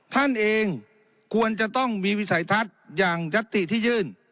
ท่านเองควรจะต้องมีวิสัยทัศน์อย่างยัตติที่ยื่น